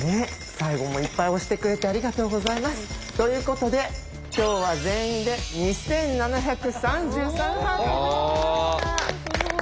最後もいっぱい押してくれてありがとうございます。ということで今日は全員ですごい。